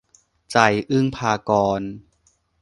ใจ อึ๊งภากรณ์